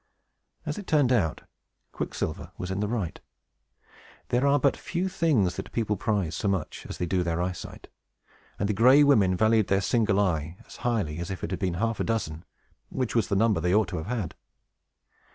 As it turned out, Quicksilver was in the right. There are but few things that people prize so much as they do their eyesight; and the Gray Women valued their single eye as highly as if it had been half a dozen, which was the number they ought to have had.